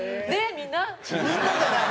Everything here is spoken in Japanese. みんなじゃない。